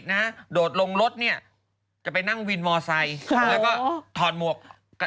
เดินต่อโดดลงรถเนี้ยจะไปนั่งวินวอร์ไซค์เอ็นก็ทอนหมวก